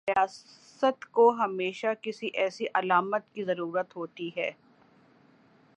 ریاست کو ہمیشہ کسی ایسی علامت کی ضرورت ہوتی ہے۔